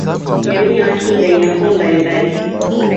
Jamii ya Wakinga ina koo mbalimbali